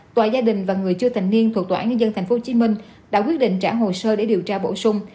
tòa gia đình và người chưa thành niên thuộc tòa án nhân dân tp hcm đã quyết định trả hồ sơ để điều tra bổ sung